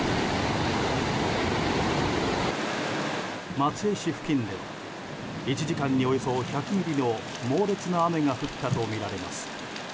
松江市付近では１時間におよそ１００ミリの猛烈な雨が降ったとみられます。